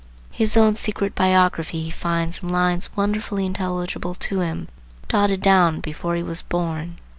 His own secret biography he finds in lines wonderfully intelligible to him, dotted down before he was born.